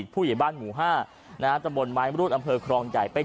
ผู้ใหญ่บ้านหมู่ห้านะครับ